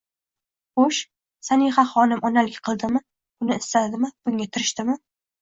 Xo'sh, Sanihaxonim onalik qildimi, buni istadimi, bunga tirishdimi?